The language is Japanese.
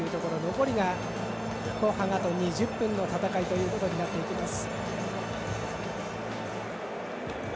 残りが後半、あと２０分の戦いとなっていきます。